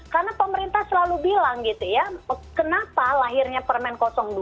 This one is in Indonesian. karena pemerintah selalu bilang gitu ya kenapa lahirnya permen dua